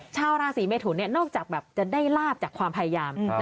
ชาวราศีเมทุนเนี่ยนอกจากแบบจะได้ลาบจากความพยายาม